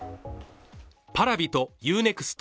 ＰａｒａｖｉとＵ−ＮＥＸＴ